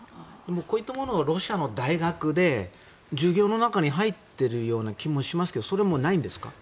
こういったものがロシアの大学で授業の中に入っている気もしますがそれもいないんですか？